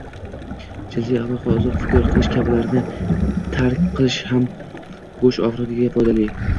Jinsiy aloqa, uzoq fikr qilish kabilarni tark qilish ham bosh og'rig'iga foydali.